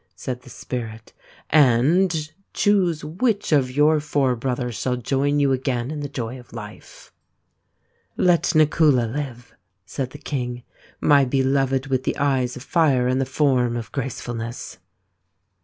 said the Spirit, " and choose which of your four brothers shall join you again in the joy of life." " Let Nakula live," said the king, " my beloved with the eyes of fire and the form of gracefulness."